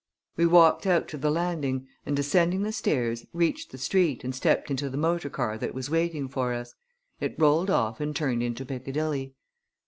We walked out to the landing and, descending the stairs, reached the street and stepped into the motor car that was waiting for us. It rolled off and turned into Piccadilly.